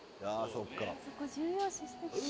「そこ重要視してへん」